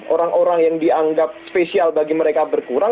orang orang yang dianggap spesial bagi mereka berkurang